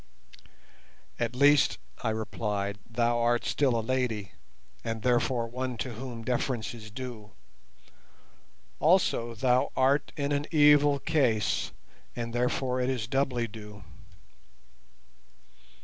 "At least," I replied, "thou art still a lady, and therefore one to whom deference is due. Also, thou art in an evil case, and therefore it is doubly due."